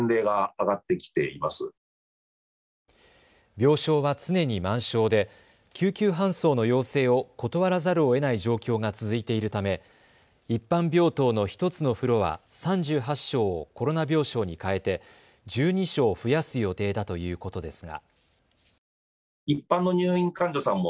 病床は常に満床で救急搬送の要請を断らざるをえない状況が続いているため一般病棟の１つのフロア３８床をコロナ病床に変えて１２床増やす予定だということですが。